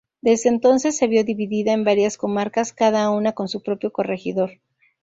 Desde entonces, se vio dividida en varias comarcas, cada una con su propio corregidor.